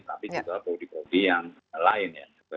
tapi juga prodi prodi yang lain ya